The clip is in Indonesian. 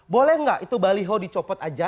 boleh nggak itu baliho dicopot aja